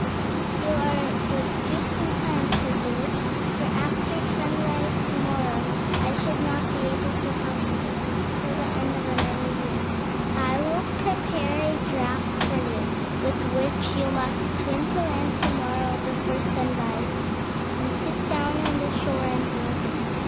"You are but just in time," said the witch; "for after sunrise to morrow I should not be able to help you till the end of another year. I will prepare a draught for you, with which you must swim to land tomorrow before sunrise, and sit down on the shore and drink it.